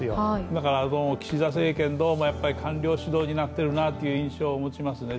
だから岸田政権、どうもやっぱり官僚主導になっているなという印象を持ちますね。